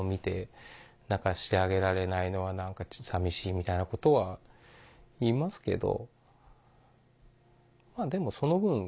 みたいなことは言いますけど。